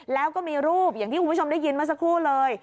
แล้วก็มีรูปอย่างที่คุณผู้ชมได้ยินเมื่อสักครู่เลย